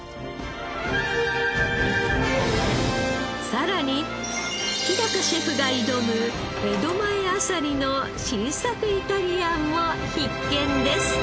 さらに日シェフが挑む江戸前あさりの新作イタリアンも必見です。